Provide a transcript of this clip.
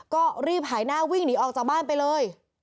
ก็รีบหายหน้าวิ่งหนีออกจากบ้านไปเลย